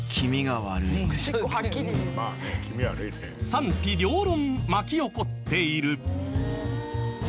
賛否両論巻き起こっている。